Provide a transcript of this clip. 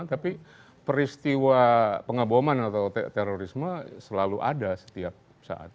tapi peristiwa pengeboman atau terorisme selalu ada setiap saat